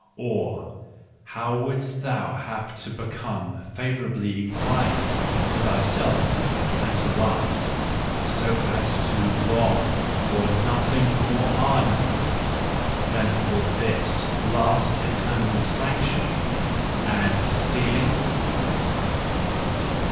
Or, how wouldst thou have to become favourably inclined to thyself and to life, so as to long for nothing more ardently than for this last eternal sanctioning and sealing